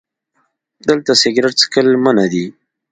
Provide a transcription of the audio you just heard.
🚭 دلته سګرټ څکل منع دي